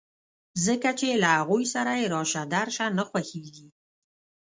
ځکه چې له هغوی سره یې راشه درشه نه خوښېږي